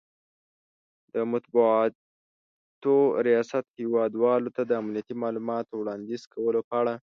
،د مطبوعاتو ریاست هیواد والو ته د امنیتي مالوماتو وړاندې کولو په اړه